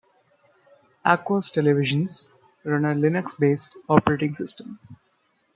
Aquos televisions run a Linux-based operating system.